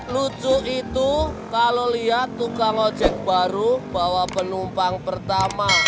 lucu itu kalau lihat tukang ojek baru bawa penumpang pertama